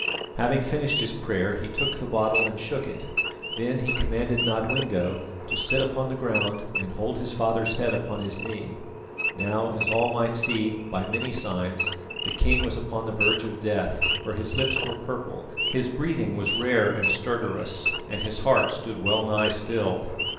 Having finished his prayer, he took the bottle and shook it; then he commanded Nodwengo to sit upon the ground and hold his father's head upon his knee. Now, as all might see by many signs, the king was upon the verge of death, for his lips were purple, his breathing was rare and stertorous, and his heart stood well nigh still.